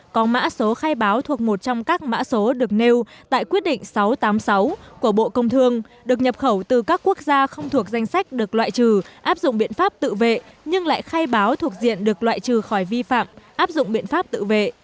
có mã số khai báo thuộc một trong các mã số được nêu tại quyết định sáu trăm tám mươi sáu của bộ công thương được nhập khẩu từ các quốc gia không thuộc danh sách được loại trừ áp dụng biện pháp tự vệ nhưng lại khai báo thuộc diện được loại trừ khỏi vi phạm áp dụng biện pháp tự vệ